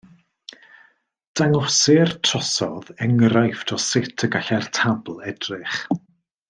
Dangosir trosodd enghraifft o sut y gallai'r tabl edrych.